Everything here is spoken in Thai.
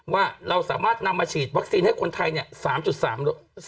ว่าเราสามารถนำมาฉีดวัคซีนให้คนไทยเนี่ย๓๓